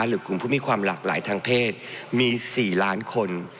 หรือกลุ่มผู้มีความหลากหลายทางเพศมี๔ล้านคน